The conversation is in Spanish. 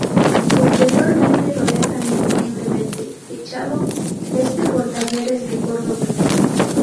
Posteriormente lo dejan ir libremente, fichando este por Talleres de Córdoba.